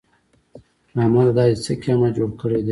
احمده! دا دې څه قيامت جوړ کړی دی؟